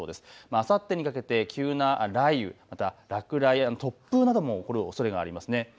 あさってにかけて急な雷雨、また落雷や突風なども起こるおそれがありますね。